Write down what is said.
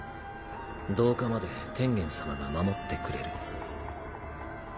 同化まで天元様が守ってくれる。